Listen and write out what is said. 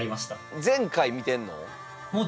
全回見てんの？